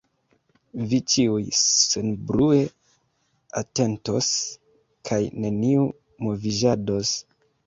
Vi ĉiuj senbrue atentos kaj neniu moviĝados.